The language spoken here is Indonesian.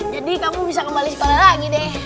jadi kamu bisa kembali sekolah lagi deh